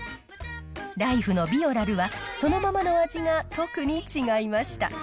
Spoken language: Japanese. ライフのビオラルは、そのままの味が特に違いました。